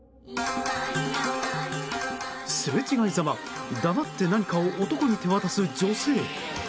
すれ違いざま黙って何かを男に手渡す女性。